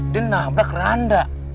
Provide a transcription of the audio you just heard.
dia nabrak randa